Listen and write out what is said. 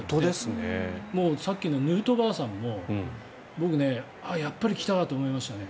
さっきのヌートバーさんも僕、やっぱり来たと思いましたね。